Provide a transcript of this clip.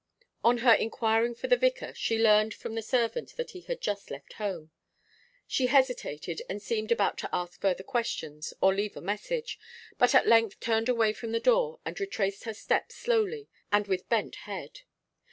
On her inquiring for the vicar, she learnt from the servant that he had just left home. She hesitated, and seemed about to ask further questions or leave a message, but at length turned away from the door and retraced her steps slowly and with bent head.